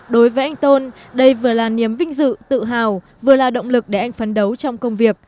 đối với anh tôn đây vừa là niềm vinh dự tự hào vừa là động lực để anh phấn đấu trong công việc